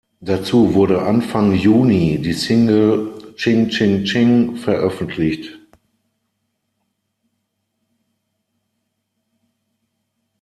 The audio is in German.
Dazu wurde Anfang Juni die Single "Ching Ching Ching" veröffentlicht.